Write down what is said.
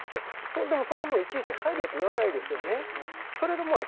でもそんなものいちいち配慮と言わないですよね。